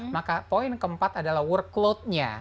maka poin keempat adalah workloadnya